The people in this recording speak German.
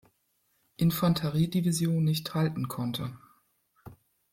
Infanterie-Division nicht halten konnte.